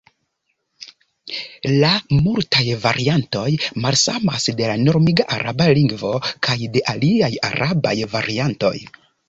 La multaj variantoj malsamas de la normiga araba lingvo kaj de aliaj arabaj variantoj.